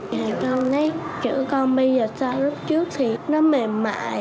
ngày con nét chữ con bây giờ sao lúc trước thì nó mềm mại